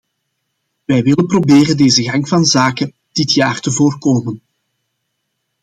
Wij willen proberen deze gang van zaken dit jaar te voorkomen.